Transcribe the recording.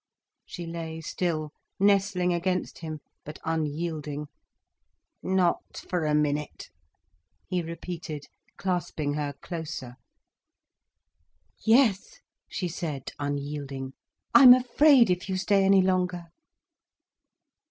She lay still, nestling against him, but unyielding. "Not for a minute," he repeated, clasping her closer. "Yes," she said, unyielding, "I'm afraid if you stay any longer."